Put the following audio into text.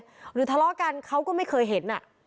หรือทะเลาะกันเขาก็ไม่เคยเห็น